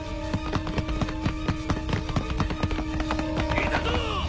いたぞ！